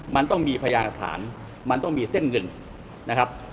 มันต้องมีพยานหลักฐานมันต้องมีเส้นเงินนะครับ